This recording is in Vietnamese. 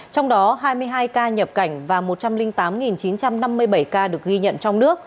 trong đó hai mươi hai ca nhập cảnh và một trăm linh tám chín trăm năm mươi bảy ca được ghi nhận trong nước